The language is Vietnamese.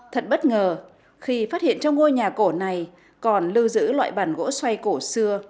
thật bất ngờ khi phát hiện trong ngôi nhà cổ này còn lưu giữ loại bản gỗ xoay cổ xưa